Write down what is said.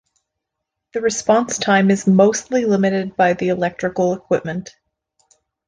The response time is mostly limited by the electrical equipment.